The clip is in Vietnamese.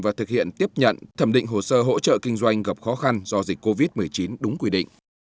và thực hiện tiếp nhận thẩm định hồ sơ hỗ trợ kinh doanh gặp khó khăn do dịch covid một mươi chín đúng quy định